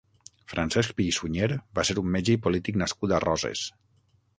Francesc Pi i Sunyer va ser un metge i polític nascut a Roses.